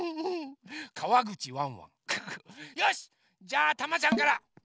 じゃあたまちゃんから。